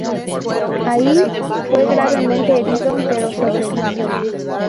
Ahí fue gravemente herido pero sobrevivió.